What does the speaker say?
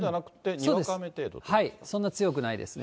そうです、そんな強くないですね。